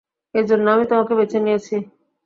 এজন্য আমি তোমাকে বেছে নিয়েছি!